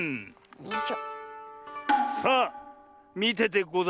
よいしょ。